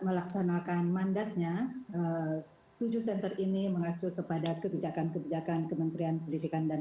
melaksanakan mandatnya tujuh center ini mengacu kepada kebijakan kebijakan kementerian pendidikan dan